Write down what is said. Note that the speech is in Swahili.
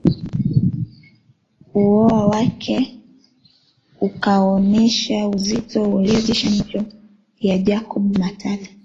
Uao wake ukaonesha uzito uliotisha macho ya Jacob Matata